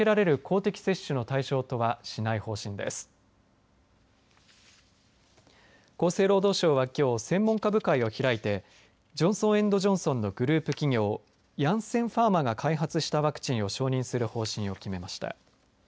厚生労働省はきょう、専門家部会を開いてジョンソン・エンド・ジョンソンのグループ企業ヤンセンファーマが開発したワクチンを承認する方針を決めました。